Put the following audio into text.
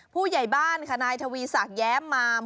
ผู้ใหญ่บ้านค่ะนายทวีศักดิ้มมาม